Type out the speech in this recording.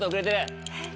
えっ。